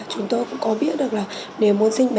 chúng tôi cũng có biết được là nếu mua sinh bé